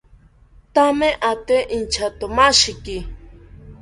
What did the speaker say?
Thame ate inchatomashiki